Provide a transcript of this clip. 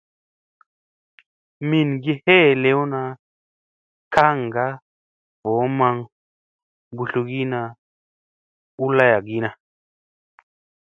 Mingi helewna kaŋga voo maŋ mbutliina u layagiina.